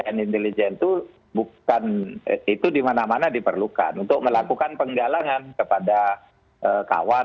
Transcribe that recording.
dan intelijen itu dimana mana diperlukan untuk melakukan penggalangan kepada kawan